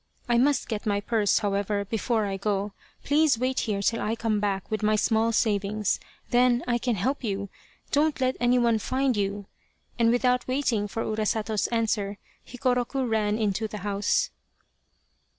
I must get my purse, however, before I go. Please wait here till I come back with my small savings then I can help you ; don't let anyone find you," and without waiting for Urasato's answer Hikoroku ran into the house.